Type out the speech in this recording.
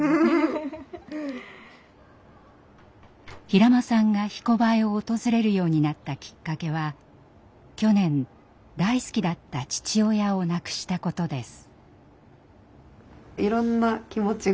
平間さんが「ひこばえ」を訪れるようになったきっかけは去年大好きだった父親を亡くしたことです。